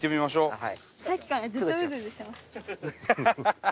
はい。